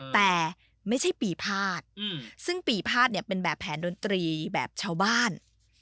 แต่ไม่ใช่ปีภาษณ์ซึ่งปีภาษณ์เป็นแบบแผนดนตรีแบบชาวบ้าน